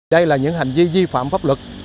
đây là những hành vi di phạm pháp luật